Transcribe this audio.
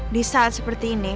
di saat seperti ini